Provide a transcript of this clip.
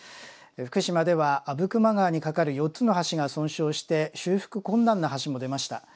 福島では阿武隈川に架かる４つの橋が損傷して修復困難な橋も出ました。